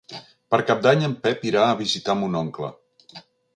Per Cap d'Any en Pep irà a visitar mon oncle.